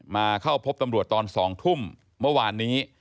มาเข้าพบตำรวจตอน๒ทุ่มเมื่อวานนี้